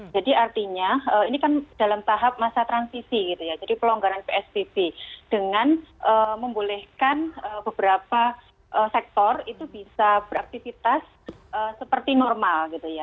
jadi artinya ini kan dalam tahap masa transisi gitu ya jadi pelonggaran psbb dengan membolehkan beberapa sektor itu bisa beraktivitas seperti normal gitu ya